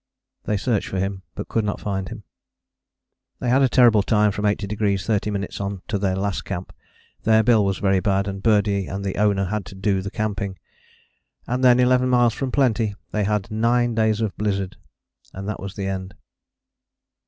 They searched for him but could not find him. They had a terrible time from 80° 30´ on to their last camp. There Bill was very bad, and Birdie and the Owner had to do the camping. And then, eleven miles from plenty, they had _nine days of blizzard, and that was the end.